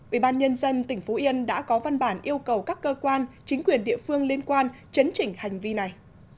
ubnd tỉnh phú yên đã có văn bản yêu cầu các cơ quan chính quyền địa phương liên quan chấn chỉnh hành vi này